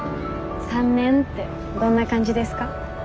３年ってどんな感じですか？